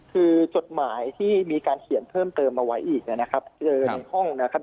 คือจดหมายที่มีการเขียนเพิ่มเติมมาไว้อีกนะครับ